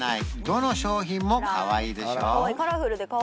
どの商品もかわいいでしょ？